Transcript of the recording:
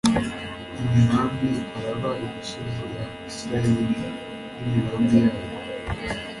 imirambi, araba, imisozi ya israheli n'imirambi yayo